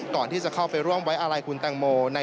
ก่อนที่จะเข้าไปร่วมไว้อาลัยคุณแตงโม